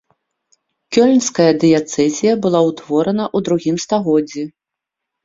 Кёльнская дыяцэзія была ўтворана ў другім стагоддзі.